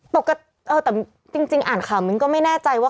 ปกติเออแต่จริงอ่านข่าวมิ้นก็ไม่แน่ใจว่า